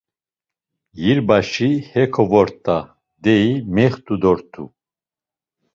Yilbaşi heko vort̆a, deyi mext̆u dort̆u.